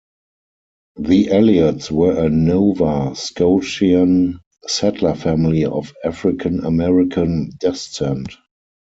The Elliots were a Nova Scotian settler family of African-American descent.